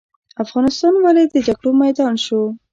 افغانستان ولې د جګړو میدان شو؟